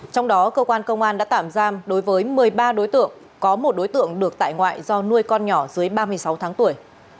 trong đó cơ quan công an đã tạm giam đối với một mươi ba đối tượng có một đối tượng được tại ngoại do nuôi con nhỏ dưới ba mươi sáu tháng tuổi